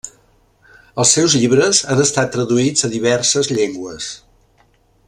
Els seus llibres han estat traduïts a diverses llengües.